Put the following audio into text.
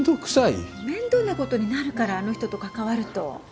面倒なことになるからあの人と関わると